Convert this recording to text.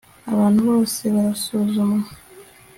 abantu bose barasuzumwa